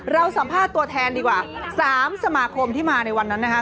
เราสัมภาษณ์ตัวแทนดีกว่า๓สมาคมที่มาในวันนั้นนะคะ